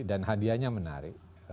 dan hadiahnya menarik